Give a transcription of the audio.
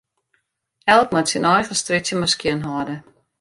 Elk moat syn eigen strjitsje mar skjinhâlde.